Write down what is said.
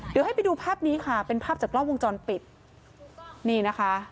เดี๋ยวให้ไปดูภาพนี้ค่ะเป็นภาพจากกล้องวงจรปิดนี่นะคะ